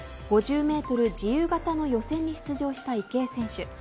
５０メートル自由形の予選に出場した池江選手。